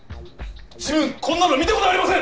自分こんなの見たことありません！